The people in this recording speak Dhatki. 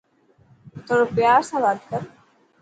ٿورو پيار سان بات ڪر.